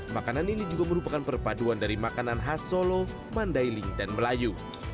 makanan ini juga merupakan perpaduan dari makanan khas solo mandailing dan melayu